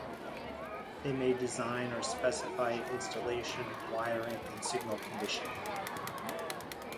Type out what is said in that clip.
They may design or specify installation, wiring and signal conditioning.